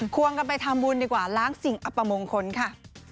วงกันไปทำบุญดีกว่าล้างสิ่งอัปมงคลค่ะ